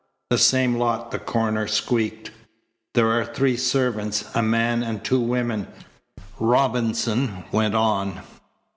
"The same lot," the coroner squeaked. "There are three servants, a man and two women," Robinson went on.